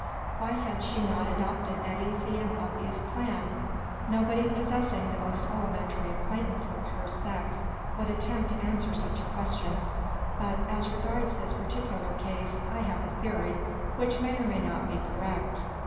Why had she not adopted that easy and obvious plan? Nobody possessing the most elementary acquaintance with her sex would attempt to answer such a question ; but, as regards this particular case, I have a theory, which may or may not be correct.